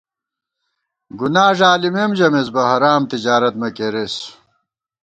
گُنا ݫالِمېم ژَمېس بہ حرام تجارت مہ کېرېس